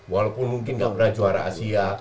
walaupun mungkin gak pernah juara asia